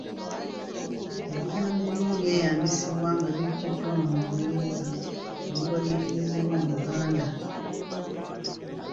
Ebigambo ebimu byeyambisibwa nga biggyiddwa mu Lungereza ne biwagiikirizibwa mu Luganda